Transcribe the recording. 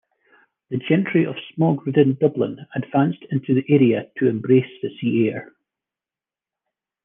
The gentry of smog-ridden Dublin advanced into the area to embrace the sea air.